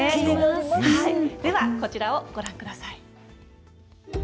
はいではこちらをご覧ください。